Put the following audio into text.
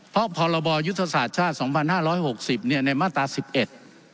เพราะพรบยุทธศาสตร์ชาติสองพันห้าร้อยหกสิบเนี้ยในมาตราสิบเอ็ด